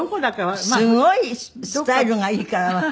すごいスタイルがいいから。